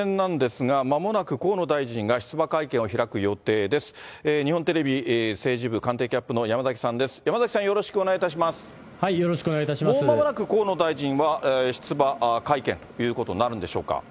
もうまもなく、河野大臣は出馬会見ということになるんでしょ